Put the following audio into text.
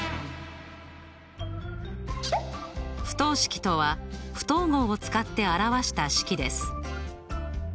不等式とは不等号を使って表した式です。